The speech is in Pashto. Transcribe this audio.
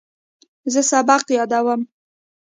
زه سبق یادوم.